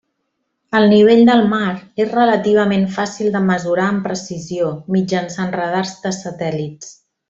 El Nivell del mar és relativament fàcil de mesurar amb precisió mitjançant radars de satèl·lits.